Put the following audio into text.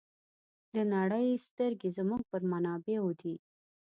د نړۍ سترګې زموږ پر منابعو دي.